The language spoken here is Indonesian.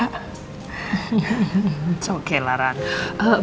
it's okay lah rani